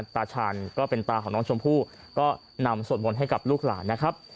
ตาชาญก็เป็นตาของน้องชมพู่ก็นำสวดมนต์ให้กับลูกหลานนะครับ